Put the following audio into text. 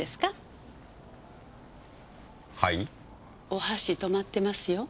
お箸止まってますよ。